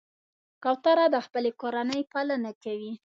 کوتره د خپلې کورنۍ پالنه کوي.